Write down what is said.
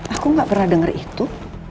aku gak pernah dengar itu